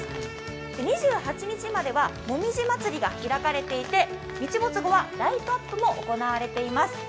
２８日までは、もみじまつりが開かれていて日没後はライトアップも行われています。